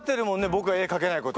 僕が絵描けないこと。